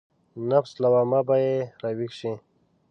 نفس لوامه به يې راويښ شي.